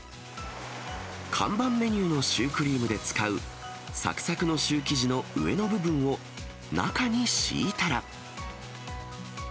看板メニューのシュークリームで使うさくさくのシュー生地の上の部分を中に敷いたら。